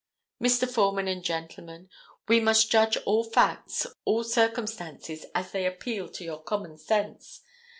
Mr. Foreman and gentlemen, we must judge all facts, all circumstances as they appeal to your common sense.